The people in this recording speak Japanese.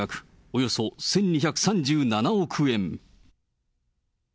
およそ１２３７億円。